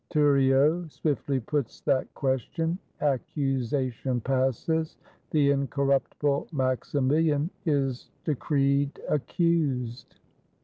Thuriot swiftly puts that question. Accusation passes; the incorruptible Maximilien is decreed Accused.